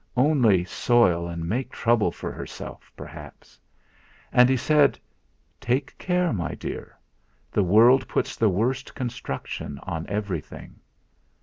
Only soil and make trouble for herself, perhaps. And he said: "Take care, my dear! The world puts the worst construction on everything."